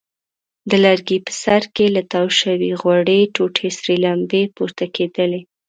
د لرګي په سر کې له تاو شوې غوړې ټوټې سرې لمبې پورته کېدلې.